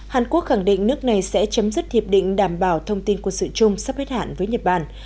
hàn quốc khẳng định nước này sẽ chấm dứt hiệp định đảm bảo thông tin quân sự chung sắp hết hạn với nhật bản